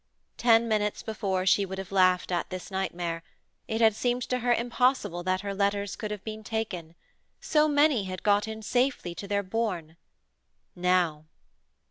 Ten minutes before she would have laughed at this nightmare: it had seemed to her impossible that her letters could have been taken. So many had got in safety to their bourne. Now....